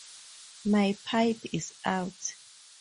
My pipe is out.